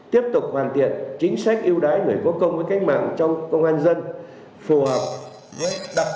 tiếp tục hoàn thiện chính sách yêu đái người có công với cách mạng trong công an nhân dân